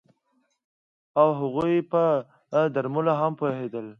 او هغوی په درملو هم پوهیدل